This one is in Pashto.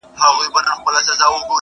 شمع به اوس څه وايی خوله نه لري!!